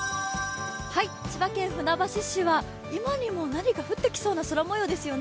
千葉県船橋市は、今にも何か降ってきそうな空模様ですね。